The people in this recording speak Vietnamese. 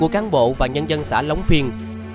của cán bộ và nhân dân xã lóng phiên